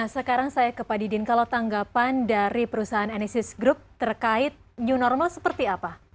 sekarang saya ke pak didin kalau tanggapan dari perusahaan enesis group terkait new normal seperti apa